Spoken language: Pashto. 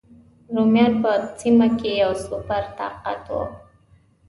رومیان په سیمه کې یو سوپر طاقت و.